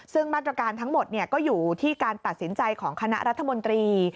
ซึ่งมาตรการทั้งหมดก็อยู่ที่การตัดสินใจของคณะรัฐมนตรี